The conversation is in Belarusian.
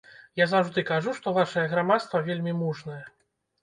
Я заўжды кажу, што вашае грамадства вельмі мужнае.